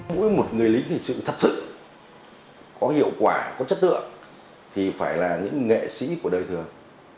mỗi một người lính hình sự thật sự có hiệu quả có chất lượng thì phải là những nghệ sĩ của đời thường